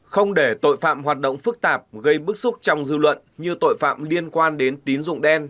không để tội phạm hoạt động phức tạp gây bức xúc trong dư luận như tội phạm liên quan đến tín dụng đen